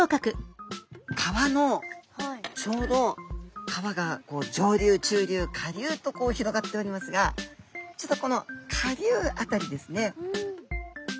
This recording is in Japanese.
川のちょうど川がこう上流中流下流とこう広がっておりますがちょうどこの下流辺りですね。